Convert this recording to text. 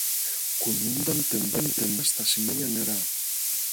κουνιούνταν τεμπέλικα στ' ασημένια νερά